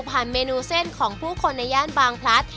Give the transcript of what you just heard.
เมนูเส้นของผู้คนในย่านบางพลัด